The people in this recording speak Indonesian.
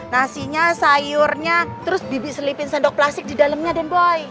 nasinya sayurnya terus bibi selipin sandok plastik di dalamnya den boy